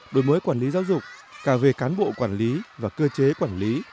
đổi mới quản lý giáo dục cả về cán bộ quản lý và cơ chế quản lý